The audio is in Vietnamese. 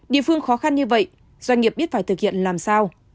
địa phương khó khăn như vậy doanh nghiệp biết phải thực hiện làm sao